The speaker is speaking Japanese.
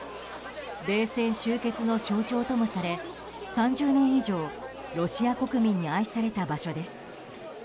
冷戦終結の象徴ともされ３０年以上ロシア国民に愛された場所です。